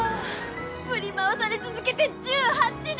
振り回され続けて１８年！